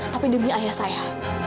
tapi demi ayah saya